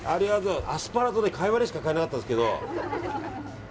アスパラとカイワレしか買えなかったんですけど。